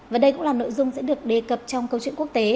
và đây cũng là nội dung sẽ được đề cập trong câu chuyện quốc tế